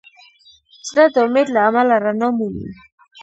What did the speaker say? زړه د امید له امله رڼا مومي.